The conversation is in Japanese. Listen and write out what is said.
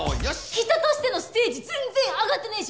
人としてのステージ全然上がってねえし！